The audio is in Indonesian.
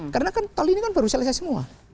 karena kan tol ini kan baru selesai semua